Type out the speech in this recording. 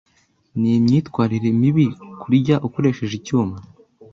Ni imyitwarire mibi kurya ukoresheje icyuma.